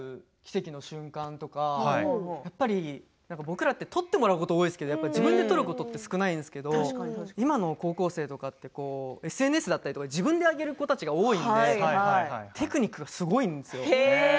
誰でも撮れちゃう奇跡の瞬間とか僕らって撮ってもらうことが多いんですけど自分で撮ることは少ないんですけど今の高校生とかってＳＮＳだったり自分で上げる子たちが多いのでテクニックがすごいんですよ。